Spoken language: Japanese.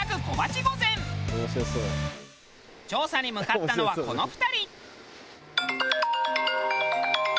調査に向かったのはこの２人。